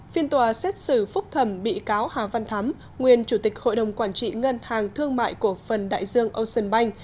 phiên tòa xét xử phúc thẩm bị cáo hà văn thắm nguyên chủ tịch hội đồng quản trị ngân hàng thương mại cổ phần đại dương ocean bank